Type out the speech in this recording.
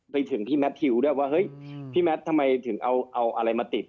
ไปถึงพี่แมททิวด้วยว่าเฮ้ยพี่แมททำไมถึงเอาอะไรมาติด